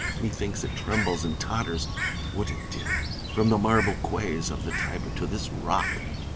Methinks it trembles and totters : would it did ! from the marble quays of the Tiber to this rock.